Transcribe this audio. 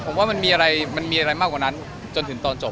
มันมีอะไรมากกว่านั้นจนถึงตอนจบ